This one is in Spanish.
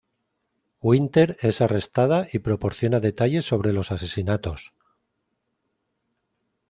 Winter es arrestada y proporciona detalles sobre los asesinatos.